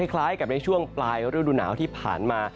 คล้ายกับในช่วงปลายฤดูหนาวที่ผ่านมา